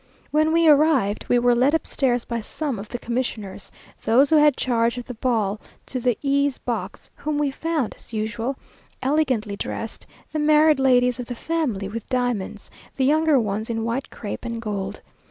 When we arrived, we were led upstairs by some of the commissioners, those who had charge of the ball, to the E 's box, whom we found, as usual, elegantly dressed the married ladies of the family with diamonds, the younger ones in white crape and gold.